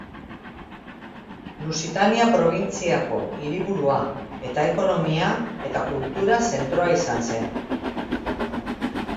Lusitania probintziako hiriburua eta ekonomia eta kultura zentroa izan zen.